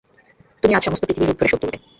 তুমি আজ সমস্ত পৃথিবীর রূপ ধরে শোধ তুলবে।